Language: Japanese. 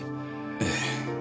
ええ。